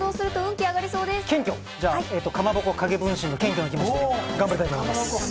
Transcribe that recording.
じゃあ、かまぼこ影分身を謙虚な気持ちで頑張りたいと思います。